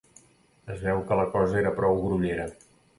Es veu que la cosa era prou grollera.